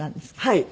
はい。